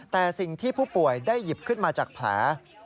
แต่สิ่งที่ผู้ป่วยได้หยิบขึ้นมาจากแผล